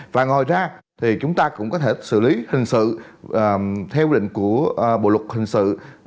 và ngoài ra thì chúng ta cũng có thể xử lý hình sự theo quy định của bộ luật hình sự hai nghìn một mươi năm